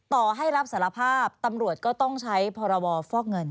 ต่อให้รับสารภาพตำรวจก็ต้องใช้พรวฟอกเงิน